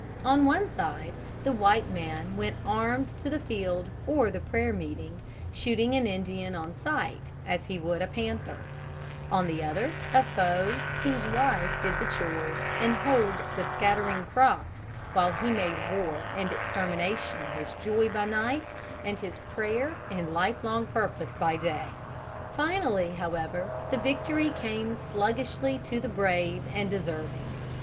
On one side the white man went armed to the field or the prayer meeting, shooting an Indian on sight as he would a panther; on the other, a foe whose wife did the chores and hoed the scattering crops while he made war and extermination his joy by night and his prayer and life long purpose by day. Finally, however, the victory came sluggishly to the brave and deserving.